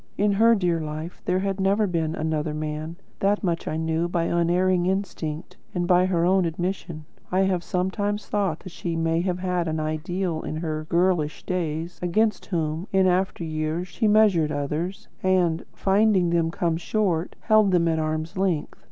In her dear life, there had never been another man; that much I knew by unerring instinct and by her own admission. I have sometimes thought that she may have had an ideal in her girlish days, against whom, in after years, she measured others, and, finding them come short, held them at arm's length.